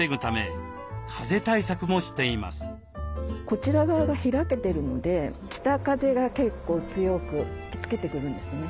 こちら側が開けてるので北風が結構強く吹きつけてくるんですね。